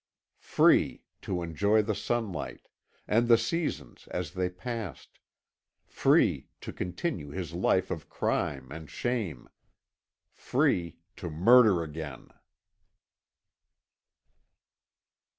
Free, to enjoy the sunlight, and the seasons as they passed; free, to continue his life of crime and shame; free, to murder again!